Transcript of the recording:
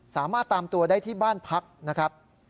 สามารถตามตัวได้ที่บ้านพักนะครับ